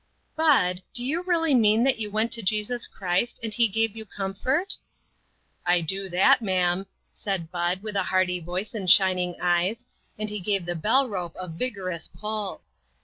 "Bud, do you really mean that you went 294 INTERRUPTED. to Jesus Christ, and be gave you comfort?" " I do that, raa'ara," said Bud, with hearty voice and shining eyes, and he gave the bell rope a vigorous pull.